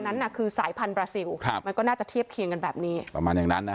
นั่นคือหน้าที่ของผม